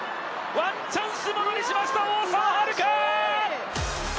ワンチャンスをものにしました大澤春花！